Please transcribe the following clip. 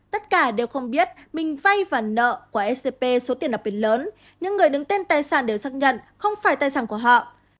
tất cả đều không biết mình vay và nợ của scp số tiền đặc biệt lớn nhưng người đứng tên tài sản đều xác nhận không phải tài sản của họ